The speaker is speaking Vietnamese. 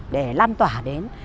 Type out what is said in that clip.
để lan tỏa đến